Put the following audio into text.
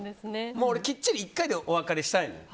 俺きっちり１回でお別れしたいのよ。